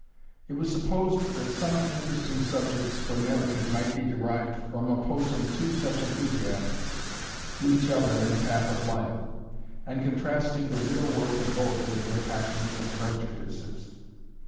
It was supposed that some interesting subjects for narrative might be derived from opposing two such enthusiasts to each other in the path of life, and contrasting the real worth of both with their passions and prejudices.